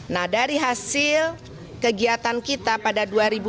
nah dari hasil kegiatan kita pada dua ribu dua puluh